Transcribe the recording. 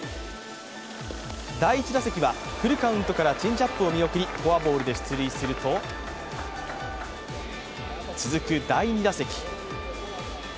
第１打席目は、フルカウントからチェンジアップを見送りフォアボールで出塁すると、続く第２打席。